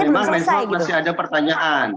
betul memang memang masih ada pertanyaan